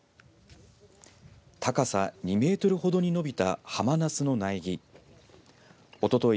高さ２メートルほどに伸びたハマナスの苗木おととい